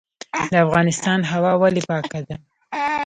د افغانستان هوا ولې پاکه ده؟